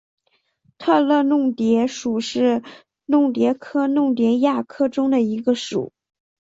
特乐弄蝶属是弄蝶科弄蝶亚科中的一个属。